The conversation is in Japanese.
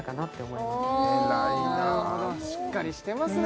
えらいなしっかりしてますね